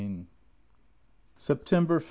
September 5.